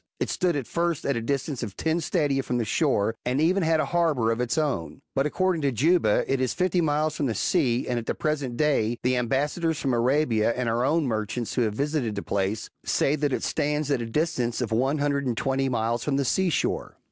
It stood at first at a distance of ten stadia from the shore, and even had a harbour^ of its own. But according to Juba, it is fifty miles from the sea ; and at the present day, the am bassadors from Arabia, and our own merchants who have visited the place, say that it stands at a distance of one hundrc^d and twenty miles from the sea shore.